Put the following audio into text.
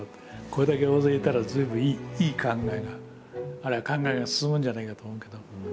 これだけ大勢いたら随分いい考えがあるいは考えが進むんじゃないかと思うけど。